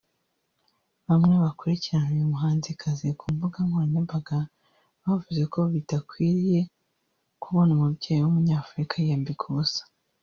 Bamwe bakurikirana uyu muhanzikazi ku mbuga nkoranyambaga bavuze ko ‘bidakwiye kubona umubyeyi w’Umunyafurika yiyambika ubusa’